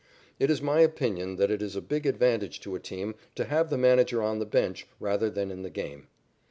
It is my opinion that it is a big advantage to a team to have the manager on the bench rather than in the game.